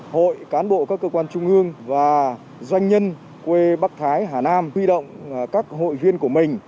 hội cán bộ các cơ quan trung ương và doanh nhân quê bắc thái hà nam huy động các hội viên của mình